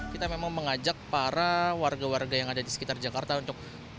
kita memang mengajak para warga warga yang ada di sekitar jakarta untuk